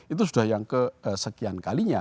itu sudah yang kesekian kalinya